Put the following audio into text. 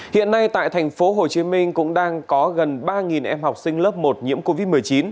hiện nay tại thành phố hồ chí minh cũng đang có gần ba em học sinh lớp một nhiễm covid một mươi chín